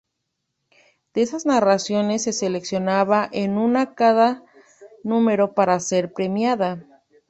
De esas narraciones se seleccionaba una en cada número para ser premiada.